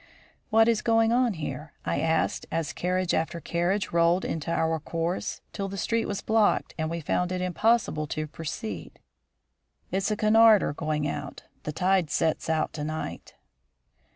"What is going on here?" I asked, as carriage after carriage rolled into our course, till the street was blocked and we found it impossible to proceed. "It's a Cunarder going out. The tide sets late to night."